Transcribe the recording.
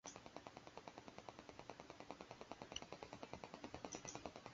Li popularigis klasikan baleton kontraste al naciaj karakterojn.